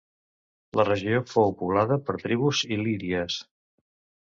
La regió fou poblada per tribus il·líries.